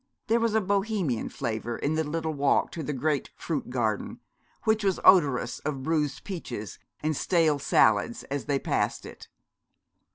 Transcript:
There was a Bohemian flavour in the little walk to the great fruit garden, which was odorous of bruised peaches and stale salads as they passed it.